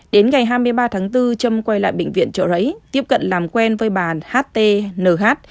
đến ngày hai mươi ba tháng bốn trâm quay lại bệnh viện chợ rẫy tiếp cận làm quen với bà htnh